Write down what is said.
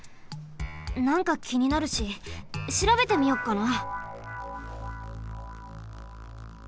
なんかきになるししらべてみよっかな。